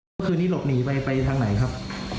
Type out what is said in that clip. เมื่อคืนนี้หลบหนีไปไปทางไหนครับ